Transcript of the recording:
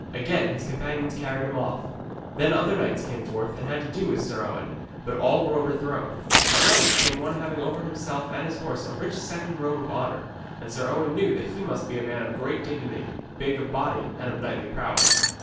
Again his companions carried him off. Then other knights came forth and had to do with Sir Owen, but all were overthrown. At length came one having over himself and his horse a rich satin robe of honour, and Sir Owen knew that he must be a man of great dignity, big of body and of knightly prowess.